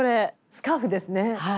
スカーフですね。